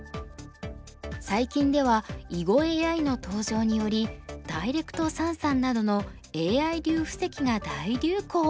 最近では囲碁ＡＩの登場によりダイレクト三々などのＡＩ流布石が大流行。